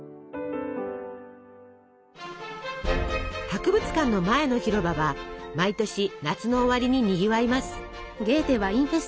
博物館の前の広場は毎年夏の終わりににぎわいます。